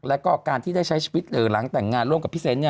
แล้วก็การที่ได้ใช้ชีวิตหลังแต่งงานร่วมกับพี่เซนต์